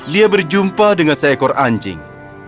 dia berjumpa dengan seekor anjing